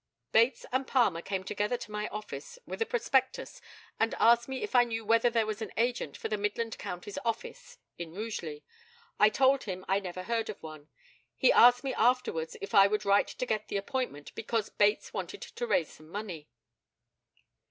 Bates and Palmer came together to my office, with a prospectus, and asked me if I knew whether there was an agent for the Midland Counties Office in Rugeley. I told him I never heard of one. He asked me afterwards if I would write to get the appointment, because Bates wanted to raise some money.